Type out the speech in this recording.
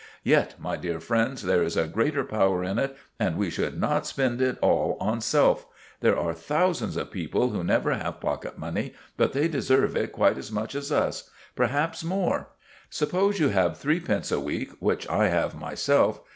"Yet, my dear friends, there is a great power in it, and we should not spend it all on self. There are thousands of people who never have pocket money, but they deserve it quite as much as us; perhaps more. Suppose you have threepence a week, which I have myself.